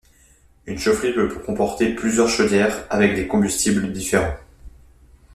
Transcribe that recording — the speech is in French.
Une chaufferie peut comporter plusieurs chaudières avec des combustibles différents.